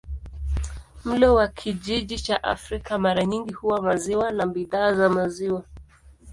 Mlo wa kijiji cha Afrika mara nyingi huwa maziwa na bidhaa za maziwa.